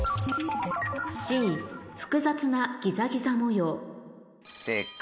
複雑なギザギザ模様